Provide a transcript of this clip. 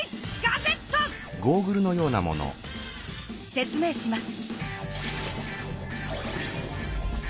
説明します。